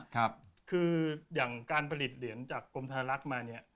คืออย่างการผลิตเหรียญจากกรมธนลักษณ์มาเนี่ย